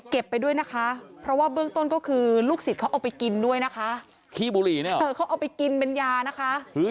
ไปด้วยนะคะเพราะว่าเบื้องต้นก็คือลูกศิษย์เขาเอาไปกินด้วยนะคะขี้บุหรี่เนี่ยเออเขาเอาไปกินเป็นยานะคะ